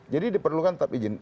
jadi diperlukan tetap izin